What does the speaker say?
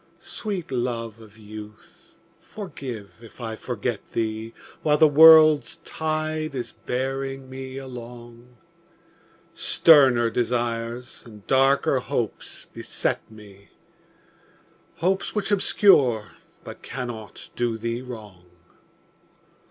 Sweet love of youth, forgive if I forget thee While the world's tide is bearing me along; Sterner desires and darker hopes beset me, Hopes which obscure but cannot do thee wrong.